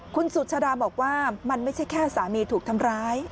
คุณสุชาดาบอกว่ามันไม่ใช่แค่สามีถูกทำร้าย